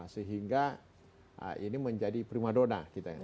sehingga ini menjadi prima donna kita